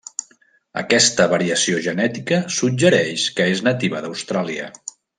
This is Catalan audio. Aquesta variació genètica suggereix que és nativa d'Austràlia.